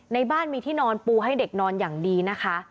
ในบ้านมีที่นอนปูให้เด็กนอนอย่างดีนะคะ